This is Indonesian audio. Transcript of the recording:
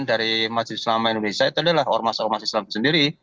dari majelis selama indonesia itu adalah ormas ormas islam itu sendiri